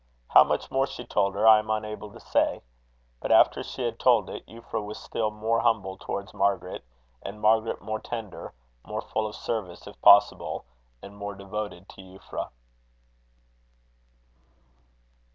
How much more she told her I am unable to say; but after she had told it, Euphra was still more humble towards Margaret, and Margaret more tender, more full of service, if possible, and more devoted to Euphra.